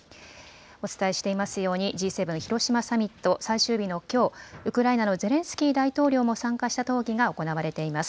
お伝えしていますように、Ｇ７広島サミット、最終日のきょう、ウクライナのゼレンスキー大統領も参加した討議が行われています。